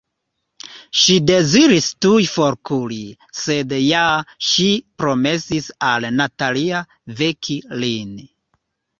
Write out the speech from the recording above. Ŝi deziris tuj forkuri, sed ja ŝi promesis al Natalia veki lin.